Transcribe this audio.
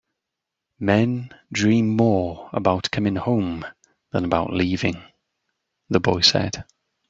"Men dream more about coming home than about leaving," the boy said.